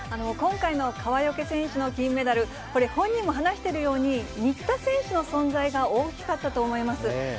今回の川除選手の金メダル、これ、本人も話してるように、新田選手の存在が大きかったと思います。